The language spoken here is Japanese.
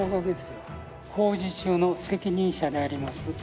工事中の責任者であります